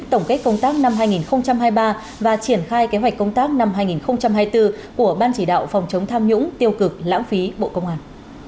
tổng kết công tác năm hai nghìn hai mươi ba và triển khai kế hoạch công tác năm hai nghìn hai mươi bốn của ban chỉ đạo phòng chống tham nhũng tiêu cực lãng phí bộ công an